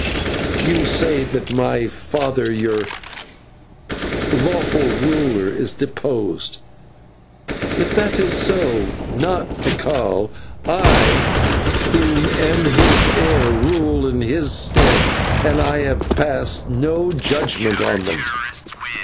You say that my father, your lawful ruler, is deposed. If that is so, not Tikal, but I, who am his heir, rule in his stead, and I have passed no judgment on them."